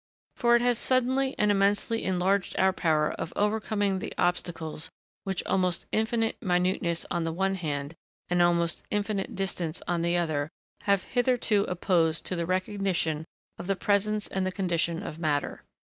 For it has suddenly and immensely enlarged our power of overcoming the obstacles which almost infinite minuteness on the one hand, and almost infinite distance on the other, have hitherto opposed to the recognition of the presence and the condition of matter.